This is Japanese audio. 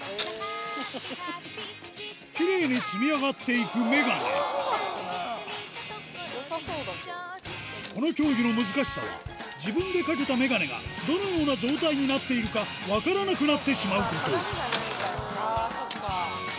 キレイに積み上がっていくメガネこの競技の難しさは自分でかけたメガネがどのような状態になっているか分からなくなってしまうこと鏡がないから。